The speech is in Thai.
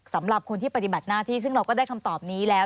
สำหรับคนที่ปฏิบัติหน้าที่ซึ่งเราก็ได้คำตอบนี้แล้ว